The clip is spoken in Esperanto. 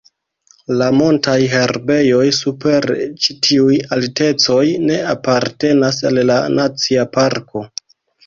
La montaj herbejoj super ĉi tiuj altecoj ne apartenas al la nacia parko.